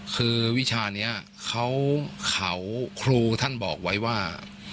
คือวิชานี้เขาครูท่านบอกไว้ว่า